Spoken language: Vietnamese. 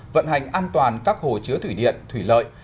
vận hành an toàn các hồ chứa thủy điện thủy lợi